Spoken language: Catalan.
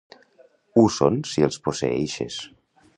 Ho són si els posseeixes.